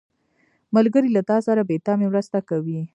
ملګری له تا سره بې تمې مرسته کوي